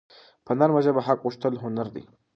په نرمه ژبه حق غوښتل هنر دی.